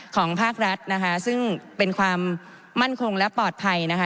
ภาครัฐนะคะซึ่งเป็นความมั่นคงและปลอดภัยนะคะ